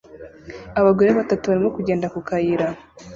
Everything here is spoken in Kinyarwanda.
Abagore batatu barimo kugenda ku kayira